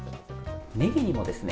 ねぎにもですね